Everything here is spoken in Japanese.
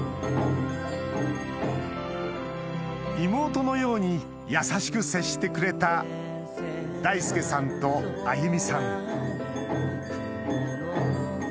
妹のように優しく接してくれた大佐さんと歩さん